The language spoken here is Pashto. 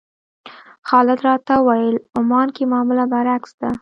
خالد راته وویل عمان کې معامله برعکس ده.